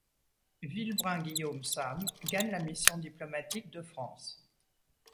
Vilbrun Guillaume Sam gagne la Mission Diplomatique de France.